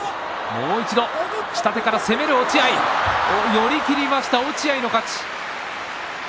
寄り切りました落合の勝ち。